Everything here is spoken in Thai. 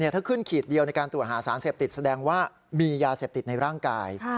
ถ้าขึ้นขีดเดียวในการตรวจหาสารเสพติดแสดงว่ามียาเสพติดในร่างกาย